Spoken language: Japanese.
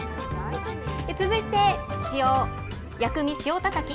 続いて、薬味塩たたき。